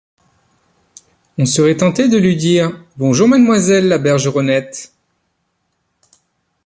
On serait tenté de lui dire: Bonjour, mademoiselle la bergeronnette.